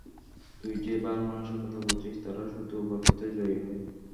তুই যে ভালো মানুষের কথা বলছিস তারা শুধু গল্পতেই জয়ী হয়।